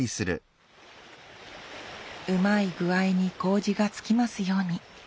うまい具合に麹がつきますように。